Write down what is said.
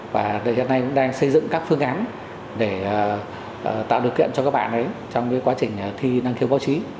và hiện nay cũng đang xây dựng các phương án để tạo điều kiện cho các bạn ấy trong quá trình thi năng khiếu báo chí